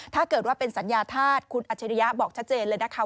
ถ้าเกิดว่าเป็นสัญญาธาตุคุณอัจฉริยะบอกชัดเจนเลยนะคะ